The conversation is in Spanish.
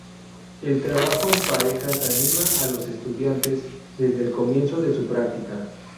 El trabajo en parejas anima a los estudiantes desde el comienzo de su práctica.